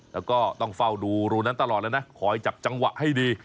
แล้วก็ต้องเฝ้าดูรูนั้นตลอดเลยนะคอยจับจังหวะให้ดี